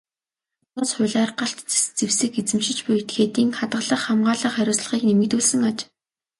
Тус хуулиар галт зэвсэг эзэмшиж буй этгээдийн хадгалах, хамгаалах хариуцлагыг нэмэгдүүлсэн аж.